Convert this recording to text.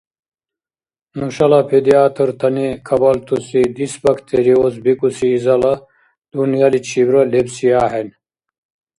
Нушала педиатртани кабалтуси дисбактериоз бикӀуси изала дунъяличибра лебси ахӀен.